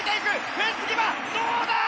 フェンス際どうだ！？